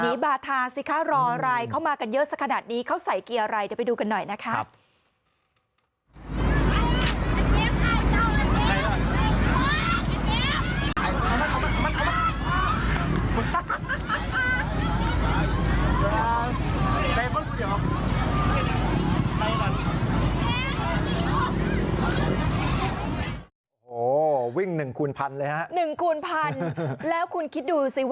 หนีบาทาสิคะรอไลน์เข้ามากันเยอะสักขนาดนี้